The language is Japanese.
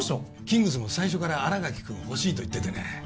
キングスも最初から新垣君を欲しいと言っててね